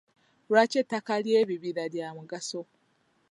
Lwaki ettaka ly'ebibira lya mugaso?